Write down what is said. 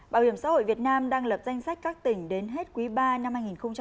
bảo hiểm xã hội việt nam đang lập danh sách các tỉnh đến hết quý ba năm hai nghìn hai mươi